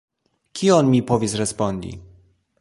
Kion mi povis respondi?